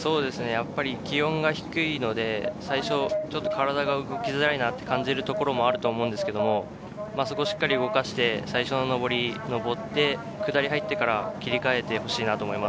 気温が低いので、最初、体が動きづらいなと感じるところもあると思うんですけど、そこをしっかり動かして、最初の上りを上って、下りに入ってからは切り替えてほしいなと思います。